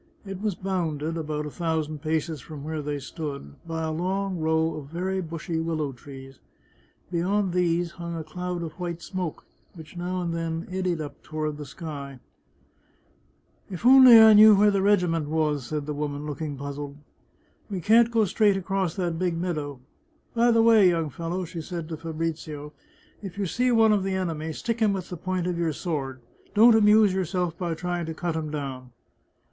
It was bounded, about a thousand paces from where they stood, by a long row of very bushy willow trees. Beyond these hung a cloud of white smoke, which now and then eddied up toward the sky, " If I only knew where the regiment was !" said the woman, looking puzzled. " We can't go straight across that big meadow. By the way, young fellow," she said to Fabrizio, " if you see one of the enemy, stick him with the point of your sword ; don't amuse yourself by trying to cut him down."